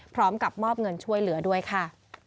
พร้อมกับมอบเงินช่วยเหลือด้วยค่ะ